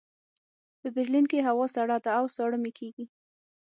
په برلین کې هوا سړه ده او ساړه مې کېږي